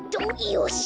よし。